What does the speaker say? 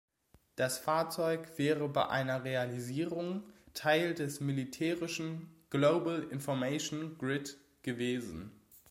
Das Fahrzeug wäre bei einer Realisierung Teil des militärischen Global Information Grid gewesen.